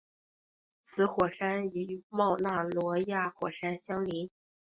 此火山与冒纳罗亚火山相邻。